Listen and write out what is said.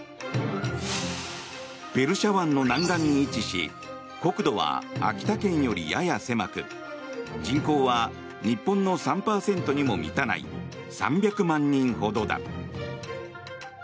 ペルシャ湾の南岸に位置し国土は秋田県よりやや狭く人口は日本の３％にも満たない３００万人ほどだ。